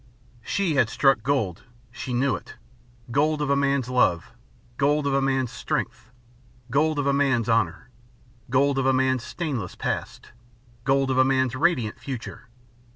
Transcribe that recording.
She had struck gold. She knew it. Gold of a man's love. Gold of a man's strength. Gold of a man's honour. Gold of a man's stainless past. Gold of a man's radiant future.